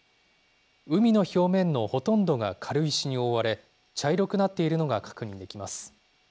海の表面のほとんどが軽石に覆われ、茶色くなっているのが確認できます。